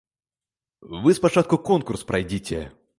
Вы спачатку конкурс прайдзіце.